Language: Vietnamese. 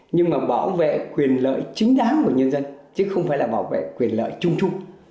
nhưng mà bảo vệ quyền lợi chính đáng của nhân dân chứ không phải là bảo vệ quyền lợi chung chung